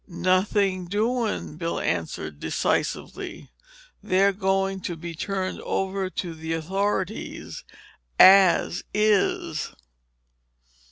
"Nothing doing," Bill answered decisively. "They're going to be turned over to the authorities—as is!"